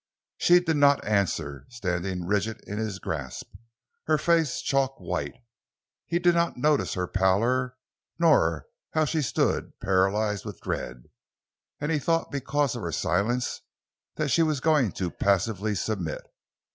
She did not answer, standing rigid in his grasp, her face chalk white. He did not notice her pallor, nor how she stood, paralyzed with dread; and he thought because of her silence that she was going to passively submit.